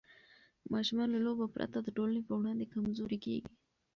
ماشومان له لوبو پرته د ټولنې په وړاندې کمزوري کېږي.